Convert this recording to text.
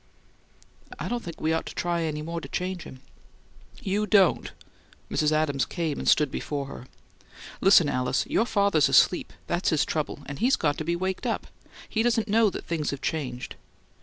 "I don't think we ought to try any more to change him." "You don't?" Mrs. Adams came and stood before her. "Listen, Alice: your father's asleep; that's his trouble, and he's got to be waked up. He doesn't know that things have changed.